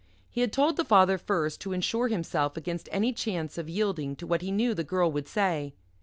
He had told the father first to insure himself against any chance of yielding to what he knew the Girl would say.